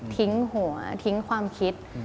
ทิ้งหัวทิ้งความคิด